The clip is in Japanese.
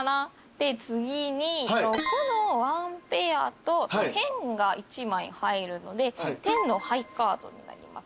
で次に６の１ペアと１０が１枚入るので１０のハイカードになります。